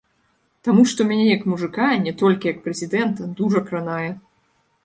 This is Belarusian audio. Таму што мяне як мужыка, не толькі як прэзідэнта, дужа кранае.